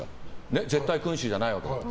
絶対君主じゃないわけだから。